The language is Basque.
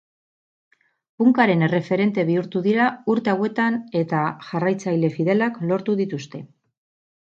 Punkaren erreferente bihurtu dira urte hauetan eta jarraitzaile fidelak lortu dituzte.